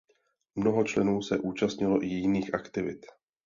Mnoho členů se účastnilo i jiných aktivit.